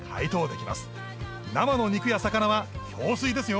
生の肉や魚は氷水ですよ